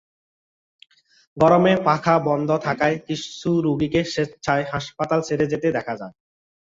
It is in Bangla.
গরমে পাখা বন্ধ থাকায় কিছু রোগীকে স্বেচ্ছায় হাসপাতাল ছেড়ে যেতে দেখা যায়।